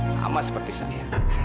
sama seperti saya